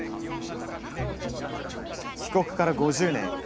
帰国から５０年。